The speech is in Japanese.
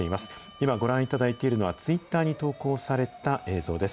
今、ご覧いただいているのは、ツイッターに投稿された映像です。